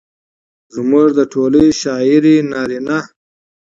زموږ د ټولې شاعرۍ نارينه